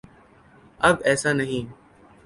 اب ایسا نہیں۔